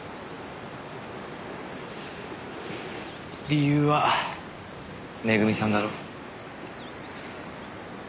理由は恵美さんだろ？